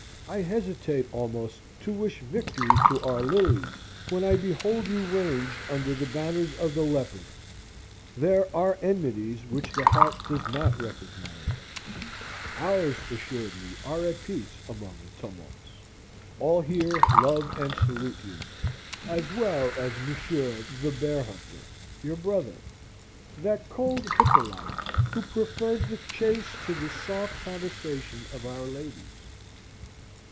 I hesitate almost to wish victory to our lilies when I behold you ranged under the banners of the Leopard. There are enmities which the heart does not recognise ours assuredly are at peace among the tumults. All here love and salute you, as well as Monsieur the Bear hunter, your brother (that cold Hippolyte who preferred the chase to the soft conversation of our ladies!)